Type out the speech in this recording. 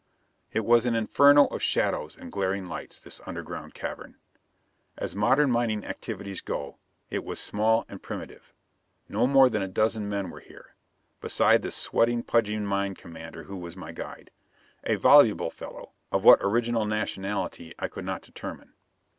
It was an inferno of shadows and glaring lights, this underground cavern. As modern mining activities go, it was small and primitive. No more than a dozen men were here, beside the sweating pudgy mine commander who was my guide. A voluble fellow; of what original nationality I could not determine.